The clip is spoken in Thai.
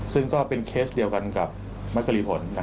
ซึ่งก็เป็นเคสเดียวกันกับมัชรีผล